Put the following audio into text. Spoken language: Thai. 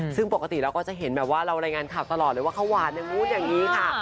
ซึ่งปกติเราก็จะเห็นแบบว่าเรารายงานข่าวตลอดเลยว่าเขาหวานอย่างนู้นอย่างนี้ค่ะ